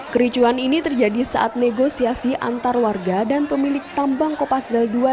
kericuhan ini terjadi saat negosiasi antar warga dan pemilik tambang kopasdel ii